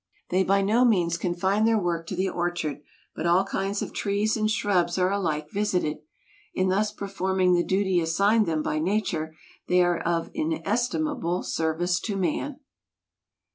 They by no means confine their work to the orchard, but all kinds of trees and shrubs are alike visited. In thus performing the duty assigned them by Nature they are of inestimable service to man.